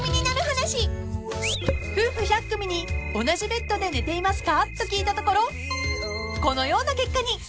［夫婦１００組に「同じベッドで寝ていますか？」と聞いたところこのような結果に］